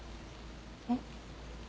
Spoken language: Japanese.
えっ？